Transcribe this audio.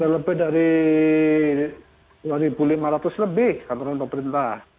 lebih dari dua lima ratus lebih kantoran pemerintah